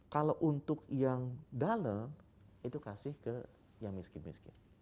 kalau untuk yang dalam itu kasih ke yang miskin miskin